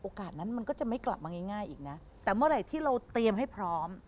นั้นมันก็จะไม่กลับมาง่ายอีกนะแต่เมื่อไหร่ที่เราเตรียมให้พร้อม